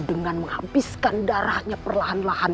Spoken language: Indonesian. dengan menghabiskan darahnya perlahan lahan